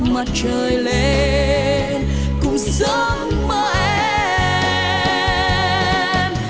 mặt trời lên cùng sớm mơ em